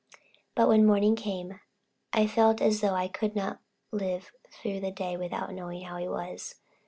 But when morning came, I felt as though I could not live through the day without knowing how he was.